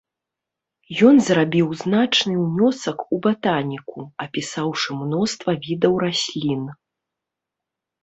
Ён зрабіў значны ўнёсак у батаніку, апісаўшы мноства відаў раслін.